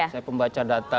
saya membaca data